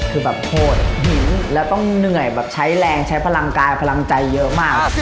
คือแบบโคตรหินแล้วต้องเหนื่อยแบบใช้แรงใช้พลังกายพลังใจเยอะมาก